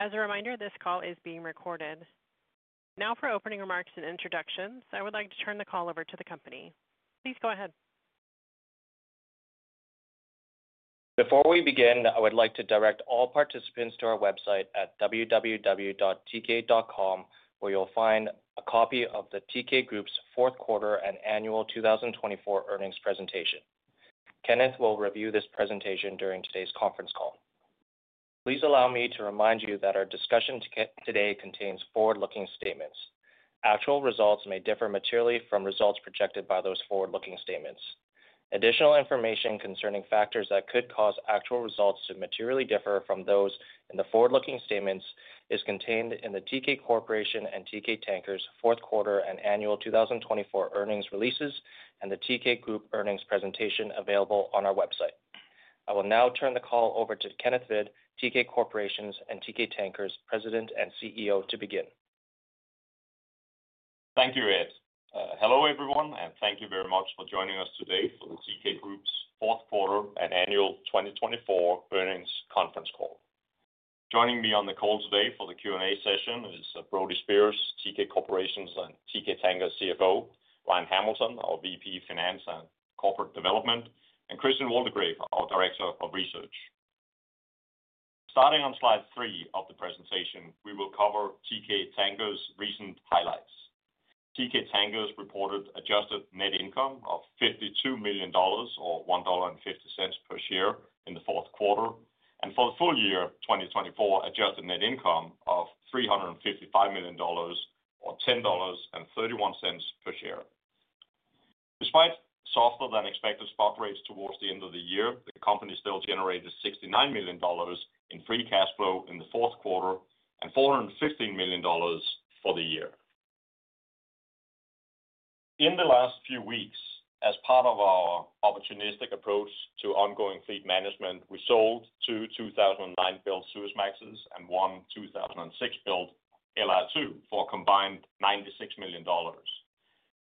As a reminder, this call is being recorded. Now, for opening remarks and introductions, I would like to turn the call over to the company. Please go ahead. Before we begin, I would like to direct all participants to our website at www.teekay.com, where you'll find a copy of the Teekay Group's fourth quarter and annual 2024 earnings presentation. Kenneth will review this presentation during today's conference call. Please allow me to remind you that our discussion today contains forward-looking statements. Actual results may differ materially from results projected by those forward-looking statements. Additional information concerning factors that could cause actual results to materially differ from those in the forward-looking statements is contained in the Teekay Corporation and Teekay Tankers' fourth quarter and annual 2024 earnings releases and the Teekay Group earnings presentation available on our website. I will now turn the call over to Kenneth Hvid, Teekay Corporation's and Teekay Tankers' President and CEO, to begin. Thank you, Ed. Hello, everyone, and thank you very much for joining us today for the Teekay Group's fourth quarter and annual 2024 earnings conference call. Joining me on the call today for the Q&A session is Brody Speers, Teekay Corporation's and Teekay Tankers' CFO, Ryan Hamilton, our VP of Finance and Corporate Development, and Christian Waldegrave, our Director of Research. Starting on slide three of the presentation, we will cover Teekay Tankers' recent highlights. Teekay Tankers reported adjusted net income of $52 million, or $1.50 per share, in the fourth quarter, and for the full year 2024, adjusted net income of $355 million, or $10.31 per share. Despite softer-than-expected spot rates towards the end of the year, the company still generated $69 million in free cash flow in the fourth quarter and $415 million for the year. In the last few weeks, as part of our opportunistic approach to ongoing fleet management, we sold two 2009-built Suezmaxes and one 2006-built LR2 for a combined $96 million.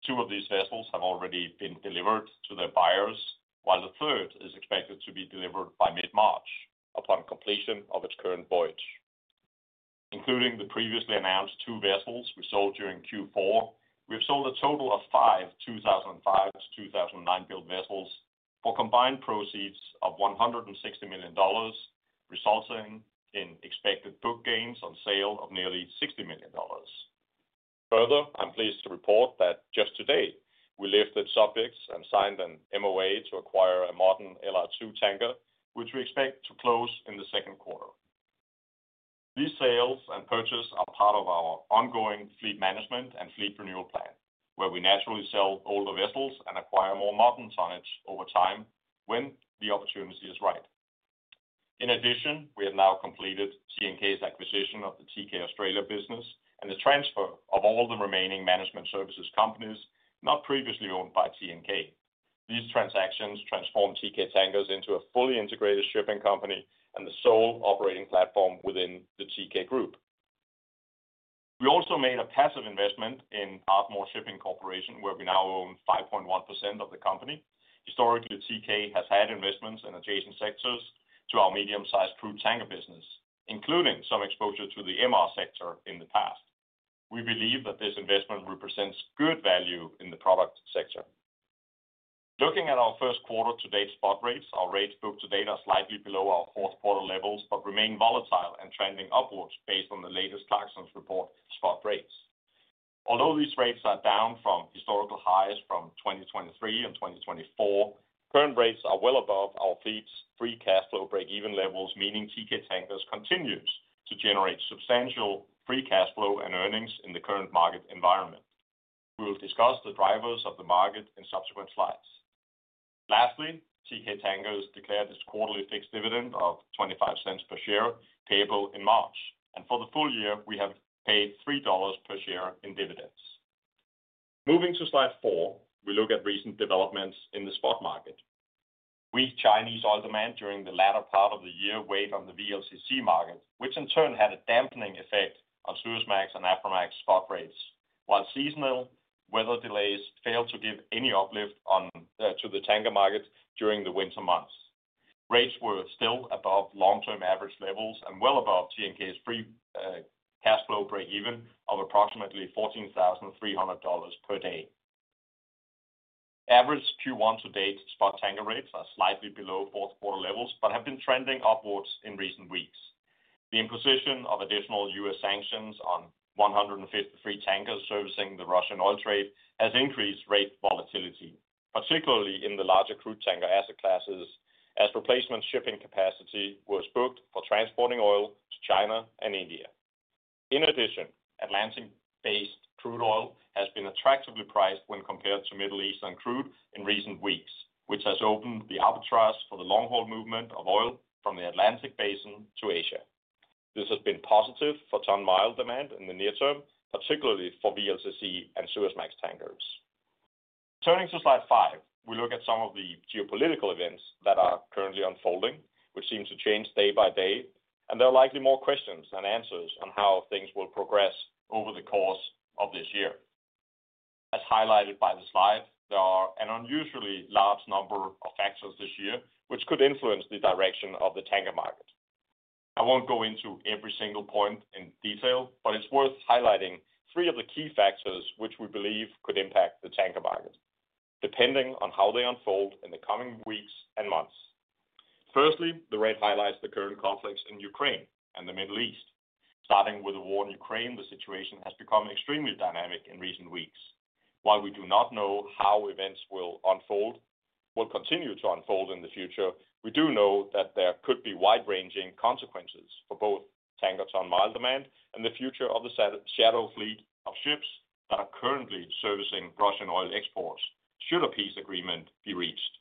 Two of these vessels have already been delivered to their buyers, while the third is expected to be delivered by mid-March upon completion of its current voyage. Including the previously announced two vessels we sold during Q4, we have sold a total of five 2005 to 2009-built vessels for combined proceeds of $160 million, resulting in expected book gains on sale of nearly $60 million. Further, I'm pleased to report that just today we lifted subjects and signed an MOA to acquire a modern LR2 tanker, which we expect to close in the second quarter. These sales and purchases are part of our ongoing fleet management and fleet renewal plan, where we naturally sell older vessels and acquire more modern tonnage over time when the opportunity is right. In addition, we have now completed TNK's acquisition of the Teekay Australia business and the transfer of all the remaining management services companies not previously owned by TNK. These transactions transform Teekay Tankers into a fully integrated shipping company and the sole operating platform within the Teekay Group. We also made a passive investment in Ardmore Shipping Corporation, where we now own 5.1% of the company. Historically, Teekay has had investments in adjacent sectors to our medium-sized crude tanker business, including some exposure to the MR sector in the past. We believe that this investment represents good value in the product sector. Looking at our first quarter-to-date spot rates, our rates booked today are slightly below our fourth quarter levels but remain volatile and trending upwards based on the latest Clarksons report spot rates. Although these rates are down from historical highs from 2023 and 2024, current rates are well above our fleet's free cash flow break-even levels, meaning Teekay Tankers continues to generate substantial free cash flow and earnings in the current market environment. We will discuss the drivers of the market in subsequent slides. Lastly, Teekay Tankers declared its quarterly fixed dividend of $0.25 per share payable in March, and for the full year, we have paid $3 per share in dividends. Moving to slide four, we look at recent developments in the spot market. Weak Chinese oil demand during the latter part of the year weighed on the VLCC market, which in turn had a dampening effect on Suezmax and Aframax spot rates, while seasonal weather delays failed to give any uplift to the tanker market during the winter months. Rates were still above long-term average levels and well above TNK's free cash flow break-even of approximately $14,300 per day. Average Q1-to-date spot tanker rates are slightly below fourth quarter levels but have been trending upwards in recent weeks. The imposition of additional U.S. sanctions on 153 tankers servicing the Russian oil trade has increased rate volatility, particularly in the larger crude tanker asset classes, as replacement shipping capacity was booked for transporting oil to China and India. In addition, Atlantic-based crude oil has been attractively priced when compared to Middle Eastern crude in recent weeks, which has opened the arbitrage for the long-haul movement of oil from the Atlantic Basin to Asia. This has been positive for ton-mile demand in the near term, particularly for VLCC and Suezmax tankers. Turning to slide five, we look at some of the geopolitical events that are currently unfolding, which seem to change day by day, and there are likely more questions than answers on how things will progress over the course of this year. As highlighted by the slide, there are an unusually large number of factors this year, which could influence the direction of the tanker market. I won't go into every single point in detail, but it's worth highlighting three of the key factors which we believe could impact the tanker market, depending on how they unfold in the coming weeks and months. Firstly, these highlight the current conflicts in Ukraine and the Middle East. Starting with the war in Ukraine, the situation has become extremely dynamic in recent weeks. While we do not know how events will unfold in the future, we do know that there could be wide-ranging consequences for both tanker ton-mile demand and the future of the shadow fleet of ships that are currently servicing Russian oil exports should a peace agreement be reached.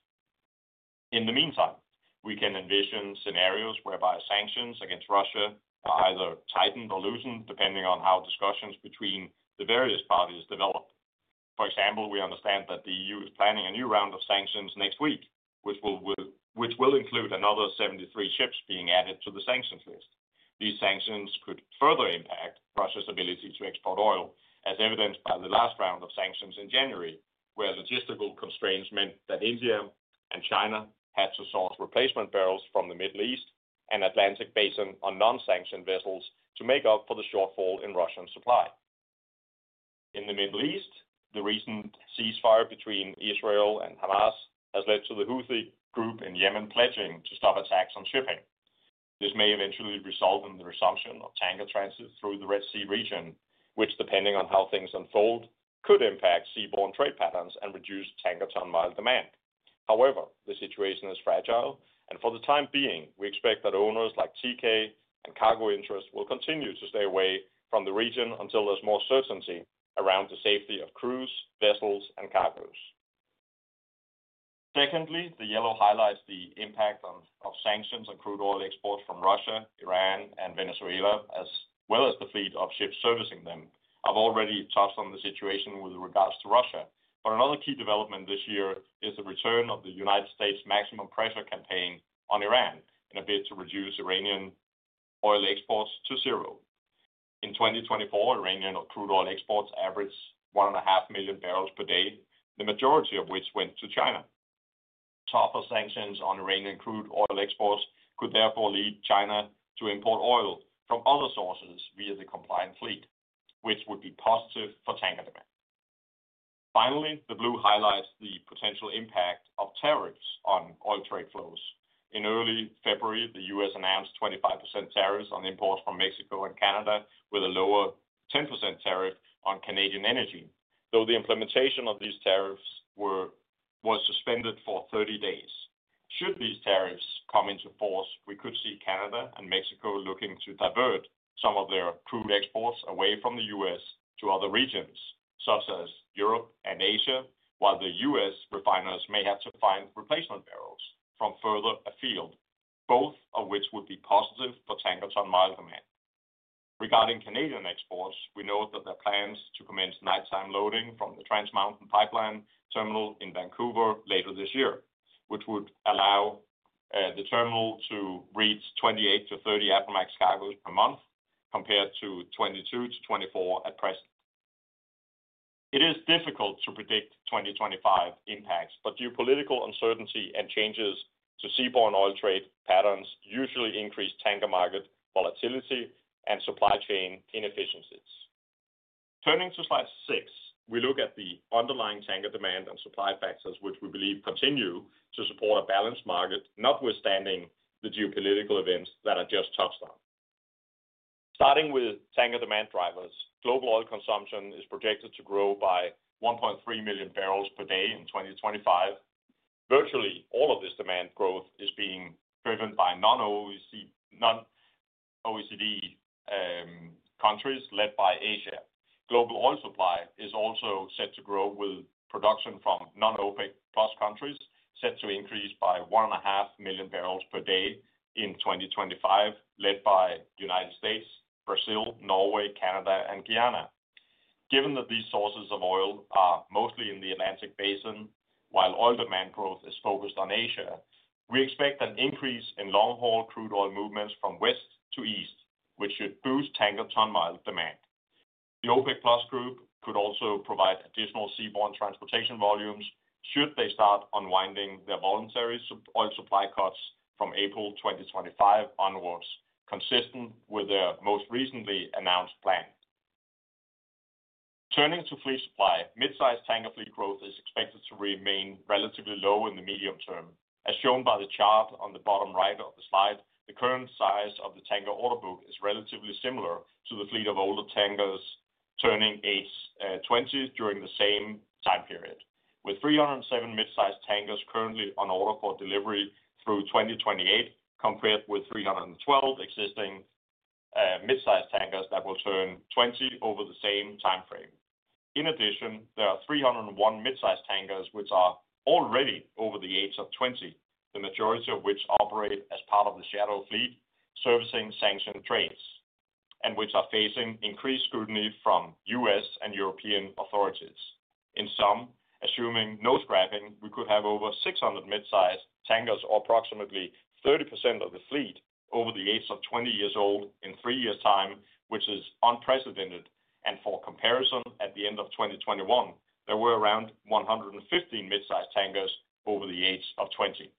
In the meantime, we can envision scenarios whereby sanctions against Russia are either tightened or loosened, depending on how discussions between the various parties develop. For example, we understand that the EU is planning a new round of sanctions next week, which will include another 73 ships being added to the sanctions list. These sanctions could further impact Russia's ability to export oil, as evidenced by the last round of sanctions in January, where logistical constraints meant that India and China had to source replacement barrels from the Middle East and Atlantic Basin on non-sanctioned vessels to make up for the shortfall in Russian supply. In the Middle East, the recent ceasefire between Israel and Hamas has led to the Houthi group in Yemen pledging to stop attacks on shipping. This may eventually result in the resumption of tanker transit through the Red Sea region, which, depending on how things unfold, could impact seaborne trade patterns and reduce tanker ton-mile demand. However, the situation is fragile, and for the time being, we expect that owners like Teekay and cargo interests will continue to stay away from the region until there's more certainty around the safety of crews, vessels, and cargoes. Secondly, the yellow highlights the impact of sanctions on crude oil exports from Russia, Iran, and Venezuela, as well as the fleet of ships servicing them. I've already touched on the situation with regards to Russia, but another key development this year is the return of the United States' maximum pressure campaign on Iran in a bid to reduce Iranian oil exports to zero. In 2024, Iranian crude oil exports averaged 1.5 million barrels per day, the majority of which went to China. The tougher sanctions on Iranian crude oil exports could therefore lead China to import oil from other sources via the compliant fleet, which would be positive for tanker demand. Finally, the blue highlights the potential impact of tariffs on oil trade flows. In early February, the U.S. announced 25% tariffs on imports from Mexico and Canada, with a lower 10% tariff on Canadian energy, though the implementation of these tariffs was suspended for 30 days. Should these tariffs come into force, we could see Canada and Mexico looking to divert some of their crude exports away from the U.S. to other regions, such as Europe and Asia, while the U.S. refiners may have to find replacement barrels from further afield, both of which would be positive for tanker ton-mile demand. Regarding Canadian exports, we note that there are plans to commence nighttime loading from the Trans Mountain Pipeline terminal in Vancouver later this year, which would allow the terminal to reach 28-30 Aframax cargoes per month, compared to 22-24 at present. It is difficult to predict 2025 impacts, but geopolitical uncertainty and changes to seaborne oil trade patterns usually increase tanker market volatility and supply chain inefficiencies. Turning to slide six, we look at the underlying tanker demand and supply factors, which we believe continue to support a balanced market, notwithstanding the geopolitical events that I just touched on. Starting with tanker demand drivers, global oil consumption is projected to grow by 1.3 million barrels per day in 2025. Virtually all of this demand growth is being driven by non-OECD countries led by Asia. Global oil supply is also set to grow, with production from non-OPEC+ countries set to increase by 1.5 million barrels per day in 2025, led by the United States, Brazil, Norway, Canada, and Guyana. Given that these sources of oil are mostly in the Atlantic Basin, while oil demand growth is focused on Asia, we expect an increase in long-haul crude oil movements from west to east, which should boost tanker ton-mile demand. The OPEC+ group could also provide additional seaborne transportation volumes should they start unwinding their voluntary oil supply cuts from April 2025 onwards, consistent with their most recently announced plan. Turning to fleet supply, mid-size tanker fleet growth is expected to remain relatively low in the medium term, as shown by the chart on the bottom right of the slide. The current size of the tanker order book is relatively similar to the fleet of older tankers turning age 20 during the same time period, with 307 mid-size tankers currently on order for delivery through 2028, compared with 312 existing mid-size tankers that will turn 20 over the same time frame. In addition, there are 301 mid-size tankers which are already over the age of 20, the majority of which operate as part of the shadow fleet servicing sanctioned trades and which are facing increased scrutiny from U.S. and European authorities. In sum, assuming no scrapping, we could have over 600 mid-size tankers or approximately 30% of the fleet over the age of 20 years old in three years' time, which is unprecedented. And for comparison, at the end of 2021, there were around 115 mid-size tankers over the age of 20.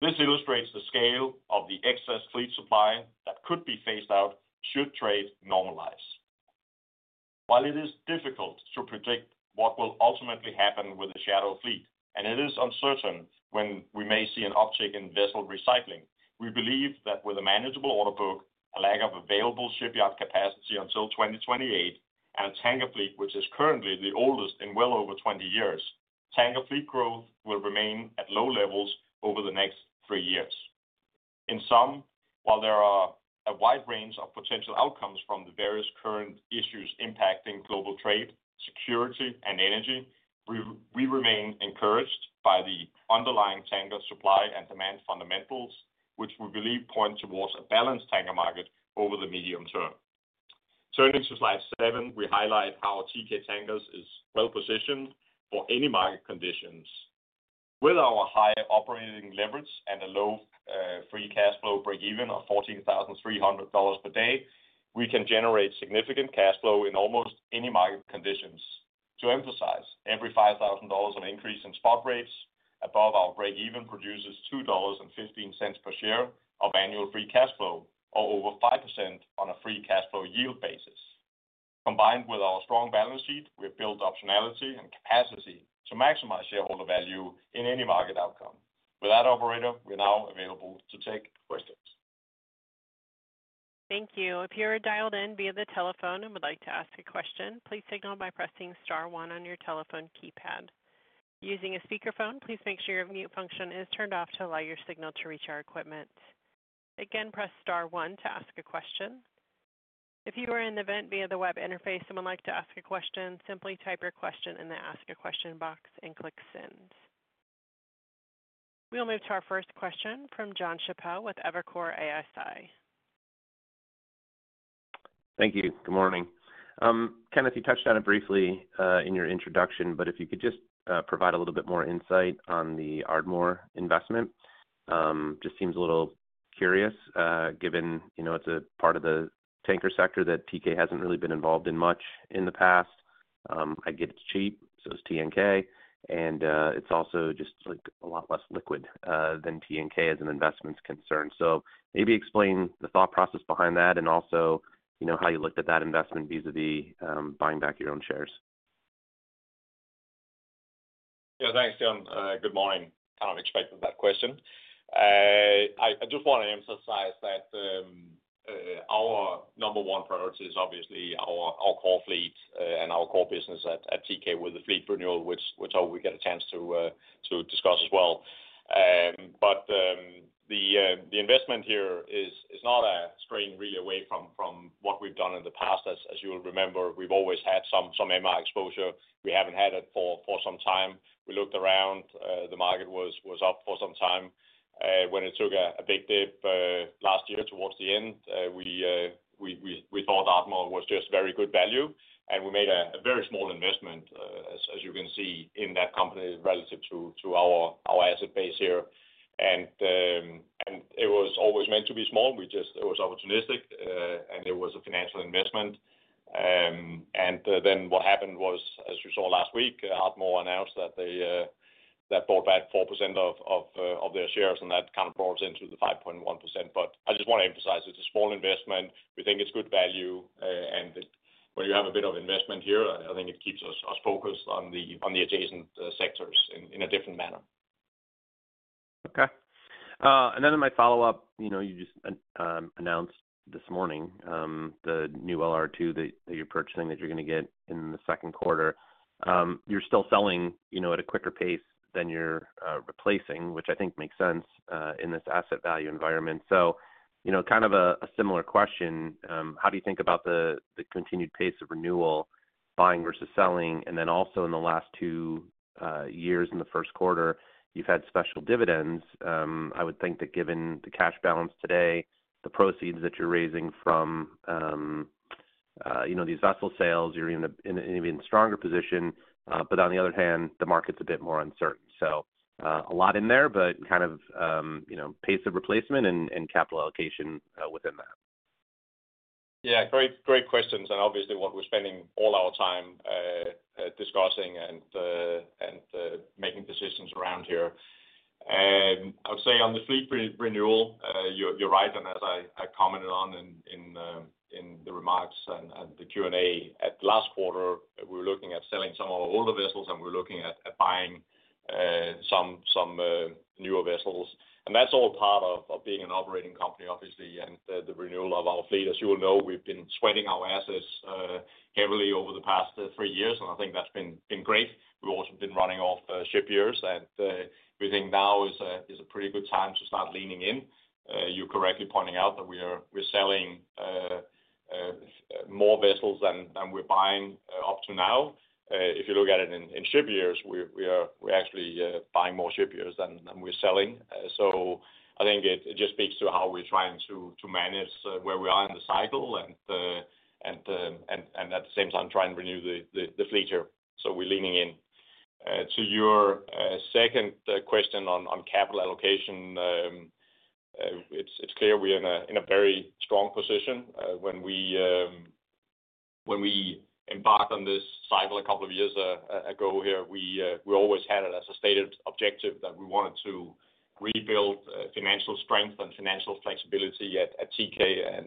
This illustrates the scale of the excess fleet supply that could be phased out should trade normalize. While it is difficult to predict what will ultimately happen with the shadow fleet, and it is uncertain when we may see an uptick in vessel recycling, we believe that with a manageable order book, a lag of available shipyard capacity until 2028, and a tanker fleet which is currently the oldest in well over 20 years, tanker fleet growth will remain at low levels over the next three years. In sum, while there are a wide range of potential outcomes from the various current issues impacting global trade, security, and energy, we remain encouraged by the underlying tanker supply and demand fundamentals, which we believe point towards a balanced tanker market over the medium term. Turning to slide seven, we highlight how Teekay Tankers is well-positioned for any market conditions. With our high operating leverage and a low free cash flow break-even of $14,300 per day, we can generate significant cash flow in almost any market conditions. To emphasize, every $5,000 of increase in spot rates above our break-even produces $2.15 per share of annual free cash flow, or over 5% on a free cash flow yield basis. Combined with our strong balance sheet, we have built optionality and capacity to maximize shareholder value in any market outcome. With that, operator, we're now available to take questions. Thank you. If you're dialed in via the telephone and would like to ask a question, please signal by pressing star one on your telephone keypad. Using a speakerphone, please make sure your mute function is turned off to allow your signal to reach our equipment. Again, press star one to ask a question. If you are in the event via the web interface and would like to ask a question, simply type your question in the ask a question box and click send. We'll move to our first question from Jon Chappell with Evercore ISI. Thank you. Good morning. Kenneth, you touched on it briefly in your introduction, but if you could just provide a little bit more insight on the Ardmore investment. Just seems a little curious, given it's a part of the tanker sector that Teekay hasn't really been involved in much in the past. I get it's cheap, so it's TNK, and it's also just a lot less liquid than TNK as an investment's concern. So maybe explain the thought process behind that and also how you looked at that investment vis-à-vis buying back your own shares. Yeah, thanks, Jon. Good morning. Kind of expected that question. I just want to emphasize that our number one priority is obviously our core fleet and our core business at Teekay with the fleet renewal, which I hope we get a chance to discuss as well. But the investment here is not a strain really away from what we've done in the past. As you'll remember, we've always had some MR exposure. We haven't had it for some time. We looked around. The market was up for some time. When it took a big dip last year towards the end, we thought Ardmore was just very good value, and we made a very small investment, as you can see, in that company relative to our asset base here. And it was always meant to be small. It was opportunistic, and it was a financial investment. Then what happened was, as you saw last week, Ardmore announced that they bought back 4% of their shares, and that kind of brought us into the 5.1%. But I just want to emphasize it's a small investment. We think it's good value, and when you have a bit of investment here, I think it keeps us focused on the adjacent sectors in a different manner. Okay. And then in my follow-up, you just announced this morning the new LR2 that you're purchasing that you're going to get in the second quarter. You're still selling at a quicker pace than you're replacing, which I think makes sense in this asset value environment. So kind of a similar question, how do you think about the continued pace of renewal, buying versus selling, and then also in the last two years in the first quarter, you've had special dividends. I would think that given the cash balance today, the proceeds that you're raising from these vessel sales, you're in an even stronger position, but on the other hand, the market's a bit more uncertain, so a lot in there, but kind of pace of replacement and capital allocation within that. Yeah, great questions, and obviously, what we're spending all our time discussing and making decisions around here. I would say on the fleet renewal, you're right, and as I commented on in the remarks and the Q&A at the last quarter, we were looking at selling some of our older vessels, and we were looking at buying some newer vessels, and that's all part of being an operating company, obviously, and the renewal of our fleet. As you will know, we've been sweating our assets heavily over the past three years, and I think that's been great. We've also been running off ship years, and we think now is a pretty good time to start leaning in. You're correctly pointing out that we're selling more vessels than we're buying up to now. If you look at it in ship years, we're actually buying more ship years than we're selling. So I think it just speaks to how we're trying to manage where we are in the cycle and at the same time trying to renew the fleet here. So we're leaning in. To your second question on capital allocation, it's clear we're in a very strong position. When we embarked on this cycle a couple of years ago here, we always had it as a stated objective that we wanted to rebuild financial strength and financial flexibility at Teekay. And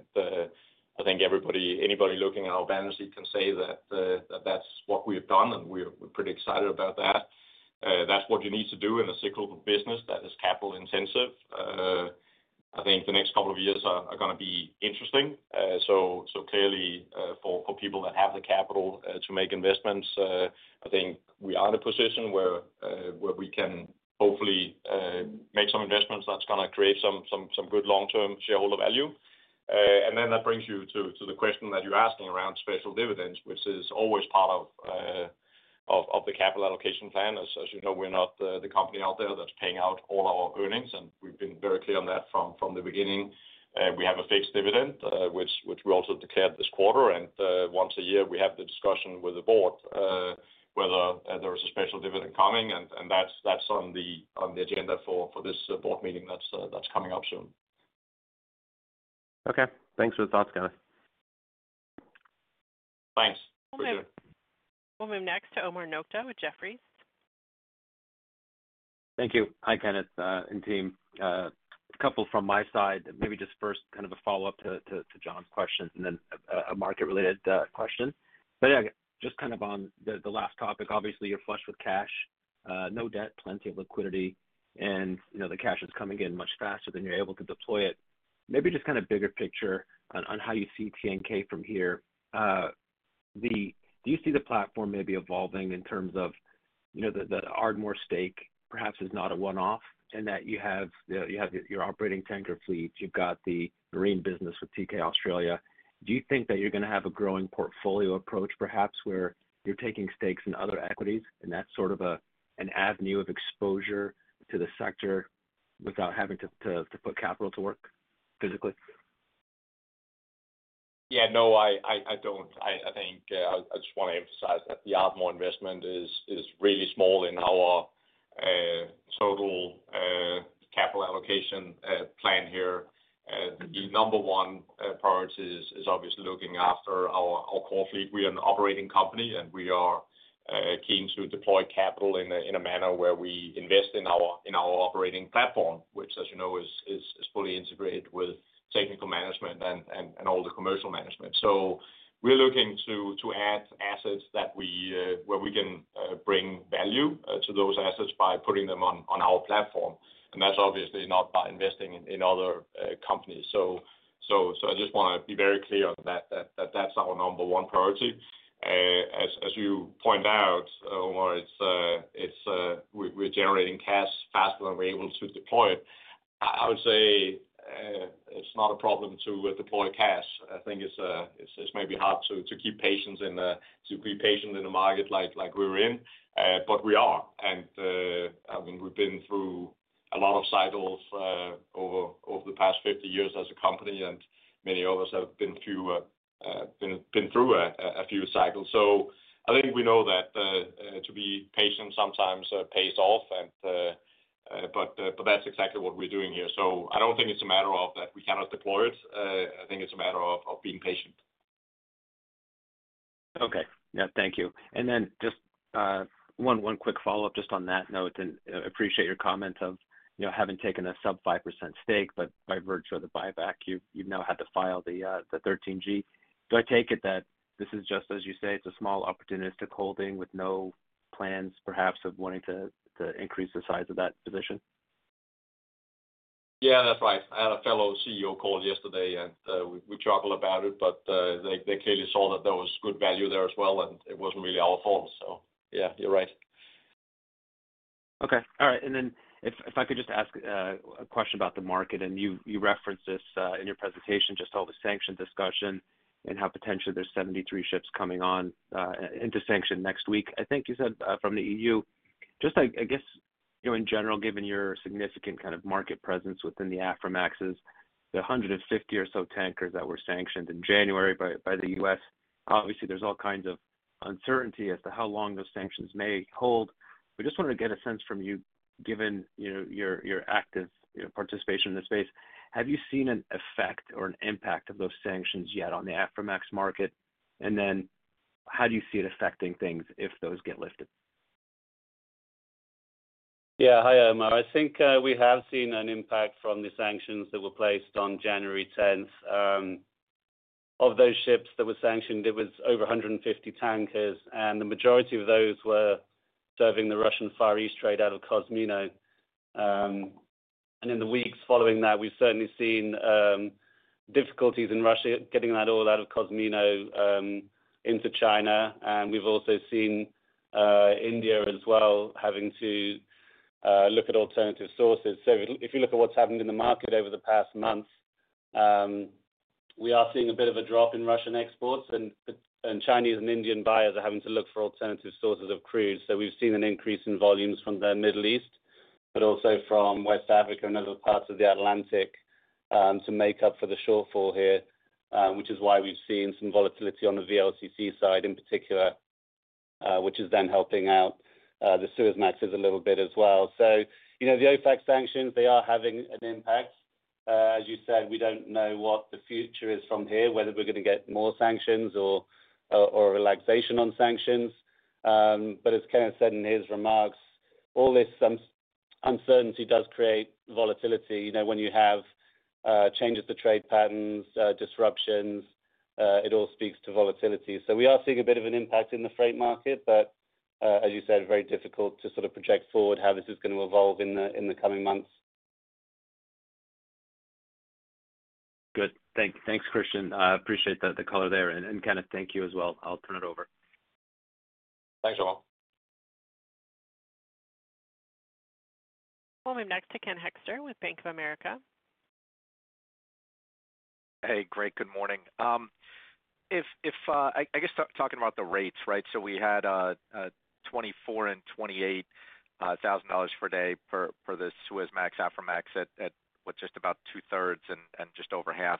I think anybody looking at our balance sheet can say that that's what we have done, and we're pretty excited about that. That's what you need to do in a cyclical business that is capital-intensive. I think the next couple of years are going to be interesting. So clearly, for people that have the capital to make investments, I think we are in a position where we can hopefully make some investments that's going to create some good long-term shareholder value. And then that brings you to the question that you're asking around special dividends, which is always part of the capital allocation plan. As you know, we're not the company out there that's paying out all our earnings, and we've been very clear on that from the beginning. We have a fixed dividend, which we also declared this quarter. And once a year, we have the discussion with the board whether there is a special dividend coming, and that's on the agenda for this board meeting that's coming up soon. Okay. Thanks for the thoughts, Kenneth. Thanks. Appreciate it. We'll move next to Omar Nokta with Jefferies. Thank you. Hi, Kenneth and team. A couple from my side, maybe just first kind of a follow-up to Jon's question and then a market-related question. But yeah, just kind of on the last topic, obviously, you're flush with cash, no debt, plenty of liquidity, and the cash is coming in much faster than you're able to deploy it. Maybe just kind of bigger picture on how you see TNK from here. Do you see the platform maybe evolving in terms of the Ardmore stake perhaps is not a one-off and that you have your operating tanker fleet, you've got the marine business with Teekay Australia? Do you think that you're going to have a growing portfolio approach perhaps where you're taking stakes in other equities and that's sort of an avenue of exposure to the sector without having to put capital to work physically? Yeah, no, I don't. I think I just want to emphasize that the Ardmore investment is really small in our total capital allocation plan here. The number one priority is obviously looking after our core fleet. We are an operating company, and we are keen to deploy capital in a manner where we invest in our operating platform, which, as you know, is fully integrated with technical management and all the commercial management. We're looking to add assets where we can bring value to those assets by putting them on our platform. That's obviously not by investing in other companies. I just want to be very clear on that; that's our number one priority. As you point out, Omar, we're generating cash faster than we're able to deploy it. I would say it's not a problem to deploy cash. I think it's maybe hard to be patient in the market like we're in, but we are. I mean, we've been through a lot of cycles over the past 50 years as a company, and many of us have been through a few cycles. I think we know that to be patient sometimes pays off, but that's exactly what we're doing here. So I don't think it's a matter of that we cannot deploy it. I think it's a matter of being patient. Okay. Yeah, thank you. And then just one quick follow-up just on that note, and I appreciate your comment of having taken a sub-5% stake, but by virtue of the buyback, you've now had to file the 13G. Do I take it that this is just, as you say, it's a small opportunistic holding with no plans perhaps of wanting to increase the size of that position? Yeah, that's right. I had a fellow CEO call yesterday, and we chuckled about it, but they clearly saw that there was good value there as well, and it wasn't really our fault. So yeah, you're right. Okay. All right. And then if I could just ask a question about the market, and you referenced this in your presentation, just all the sanction discussion and how potentially there's 73 ships coming into sanction next week. I think you said from the E.U., just I guess in general, given your significant kind of market presence within the Aframaxes, the 150 or so tankers that were sanctioned in January by the U.S., obviously, there's all kinds of uncertainty as to how long those sanctions may hold. We just wanted to get a sense from you, given your active participation in this space, have you seen an effect or an impact of those sanctions yet on the Aframax market? And then how do you see it affecting things if those get lifted? Yeah. Hi, Omar. I think we have seen an impact from the sanctions that were placed on January 10th. Of those ships that were sanctioned, it was over 150 tankers, and the majority of those were serving the Russian Far East trade out of Kozmino, and in the weeks following that, we've certainly seen difficulties in Russia getting that oil out of Kozmino into China, and we've also seen India as well having to look at alternative sources, so if you look at what's happened in the market over the past month, we are seeing a bit of a drop in Russian exports, and Chinese and Indian buyers are having to look for alternative sources of crude. So we've seen an increase in volumes from the Middle East, but also from West Africa and other parts of the Atlantic to make up for the shortfall here, which is why we've seen some volatility on the VLCC side in particular, which is then helping out the Suezmaxes a little bit as well. So the OFAC sanctions, they are having an impact. As you said, we don't know what the future is from here, whether we're going to get more sanctions or a relaxation on sanctions. But as Kenneth said in his remarks, all this uncertainty does create volatility. When you have changes to trade patterns, disruptions, it all speaks to volatility. So we are seeing a bit of an impact in the freight market, but as you said, very difficult to sort of project forward how this is going to evolve in the coming months. Good. Thanks, Christian. I appreciate the color there. And Kenneth, thank you as well. I'll turn it over. Thanks, Omar. We'll move next to Ken Hoexter with Bank of America. Hey, great. Good morning. I guess talking about the rates, right? So we had $24,000 and $28,000 per day for the Suezmax, Aframax at just about two-thirds and just over half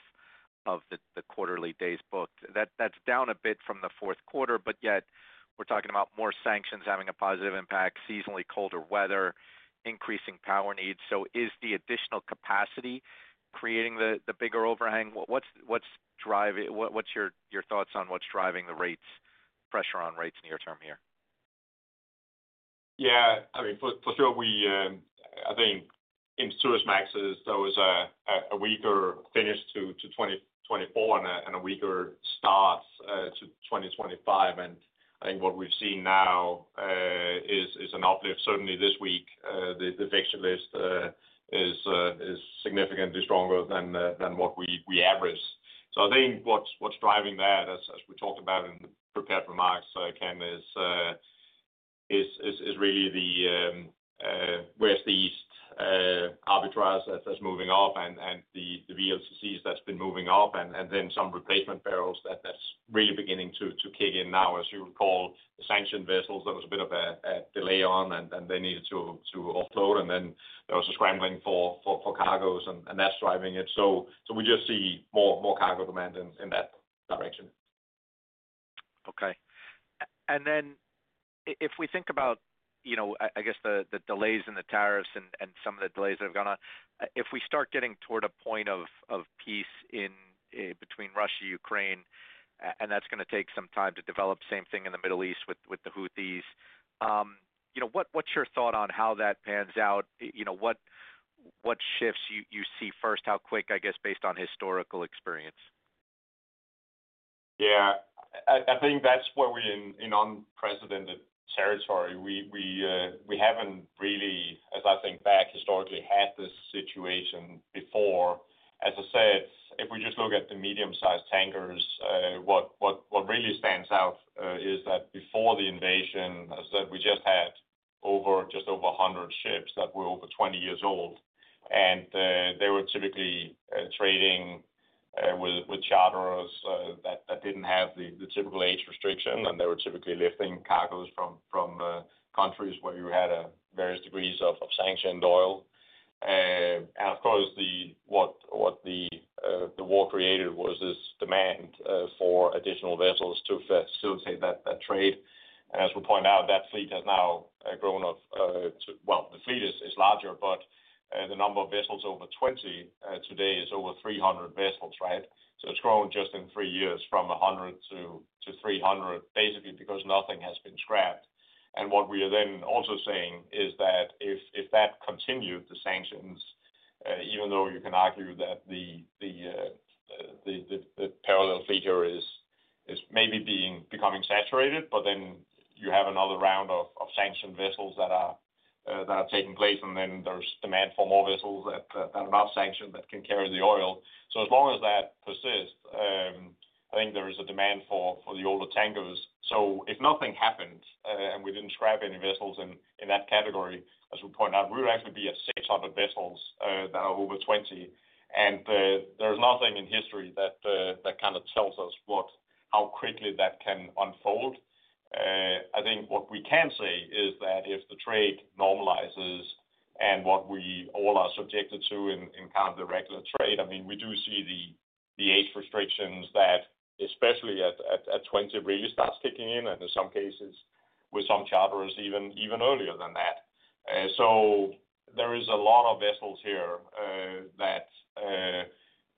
of the quarterly days booked. That's down a bit from the fourth quarter, but yet we're talking about more sanctions having a positive impact, seasonally colder weather, increasing power needs. So is the additional capacity creating the bigger overhang? What's your thoughts on what's driving the rates, pressure on rates near term here? Yeah. I mean, for sure, I think in Suezmaxes, there was a weaker finish to 2024 and a weaker start to 2025. And I think what we've seen now is an uplift. Certainly this week, the fixed list is significantly stronger than what we averaged. So I think what's driving that, as we talked about in the prepared remarks, Ken, is really the West East arbitrage that's moving up and the VLCCs that's been moving up, and then some replacement barrels that's really beginning to kick in now. As you recall, the sanctioned vessels, there was a bit of a delay on, and they needed to offload, and then there was a scrambling for cargoes, and that's driving it. So we just see more cargo demand in that direction. Okay. And then if we think about, I guess, the delays in the tariffs and some of the delays that have gone on, if we start getting toward a point of peace between Russia, Ukraine, and that's going to take some time to develop, same thing in the Middle East with the Houthis, what's your thought on how that pans out? What shifts you see first? How quick, I guess, based on historical experience? Yeah. I think that's where we're in unprecedented territory. We haven't really, as I think back historically, had this situation before. As I said, if we just look at the medium-sized tankers, what really stands out is that before the invasion, as I said, we just had just over 100 ships that were over 20 years old. And they were typically trading with charterers that didn't have the typical age restriction, and they were typically lifting cargoes from countries where you had various degrees of sanctioned oil. And of course, what the war created was this demand for additional vessels to facilitate that trade. And as we point out, that fleet has now grown to, well, the fleet is larger, but the number of vessels over 20 today is over 300 vessels, right? So it's grown just in three years from 100 to 300, basically because nothing has been scrapped. And what we are then also saying is that if that continued, the sanctions, even though you can argue that the parallel fleet is maybe becoming saturated, but then you have another round of sanctioned vessels that are taking place, and then there's demand for more vessels that are not sanctioned that can carry the oil. So as long as that persists, I think there is a demand for the older tankers. So if nothing happened and we didn't scrap any vessels in that category, as we point out, we would actually be at 600 vessels that are over 20. And there's nothing in history that kind of tells us how quickly that can unfold. I think what we can say is that if the trade normalizes and what we all are subjected to in kind of the regular trade, I mean, we do see the age restrictions that especially at 20 really starts kicking in, and in some cases with some charterers even earlier than that. So there is a lot of vessels here that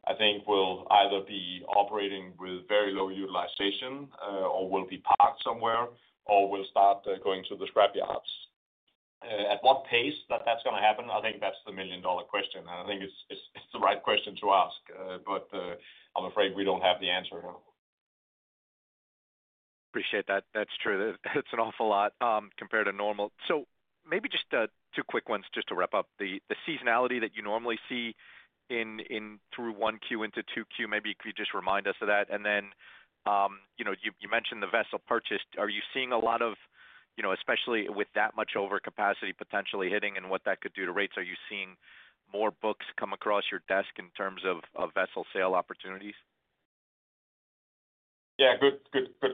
I think will either be operating with very low utilization or will be parked somewhere or will start going to the scrapyards. At what pace that that's going to happen, I think that's the million-dollar question. And I think it's the right question to ask, but I'm afraid we don't have the answer here. Appreciate that. That's true. It's an awful lot compared to normal. So maybe just two quick ones just to wrap up. The seasonality that you normally see through 1Q into 2Q, maybe if you just remind us of that. And then you mentioned the vessel purchase. Are you seeing a lot of, especially with that much overcapacity potentially hitting and what that could do to rates, are you seeing more books come across your desk in terms of vessel sale opportunities? Yeah. Good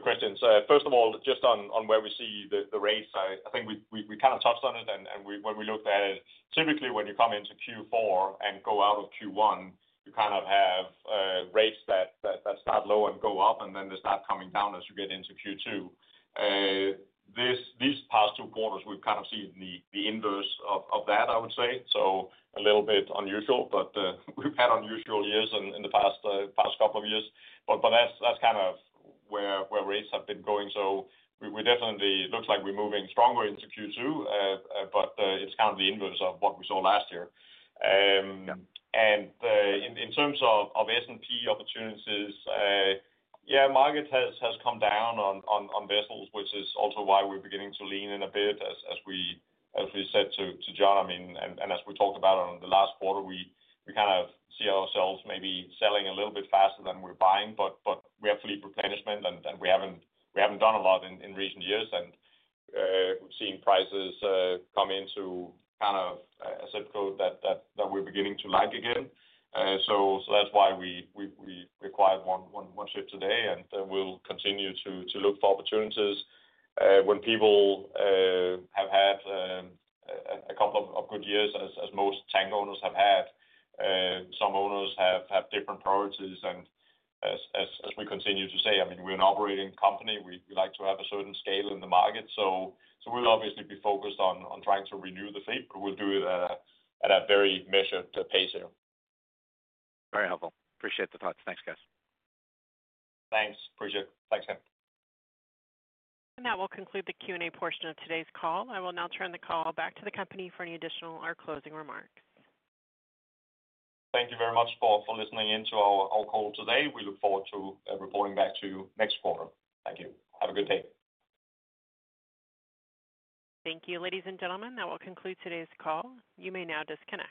question. So first of all, just on where we see the rates, I think we kind of touched on it, and when we looked at it, typically when you come into Q4 and go out of Q1, you kind of have rates that start low and go up, and then they start coming down as you get into Q2. These past two quarters, we've kind of seen the inverse of that, I would say. So a little bit unusual, but we've had unusual years in the past couple of years. But that's kind of where rates have been going. So it definitely looks like we're moving stronger into Q2, but it's kind of the inverse of what we saw last year. And in terms of S&P opportunities, yeah, market has come down on vessels, which is also why we're beginning to lean in a bit, as we said to Jon. I mean, and as we talked about on the last quarter, we kind of see ourselves maybe selling a little bit faster than we're buying, but we have fleet replenishment, and we haven't done a lot in recent years. And we've seen prices come into kind of a zip code that we're beginning to like again. So that's why we acquired one ship today, and we'll continue to look for opportunities. When people have had a couple of good years, as most tank owners have had, some owners have different priorities. And as we continue to say, I mean, we're an operating company. We like to have a certain scale in the market. So we'll obviously be focused on trying to renew the fleet, but we'll do it at a very measured pace here. Very helpful. Appreciate the thoughts. Thanks, guys. Thanks. Appreciate it. Thanks, Ken. That will conclude the Q&A portion of today's call. I will now turn the call back to the company for any additional or closing remarks. Thank you very much for listening in to our call today. We look forward to reporting back to you next quarter. Thank you. Have a good day. Thank you, ladies and gentlemen. That will conclude today's call. You may now disconnect.